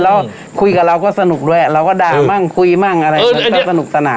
แล้วคุยกับเราก็สนุกด้วยเราก็ด่าบ้างคุยบ้างอะไรเหมือนกับสนุกตระหน่า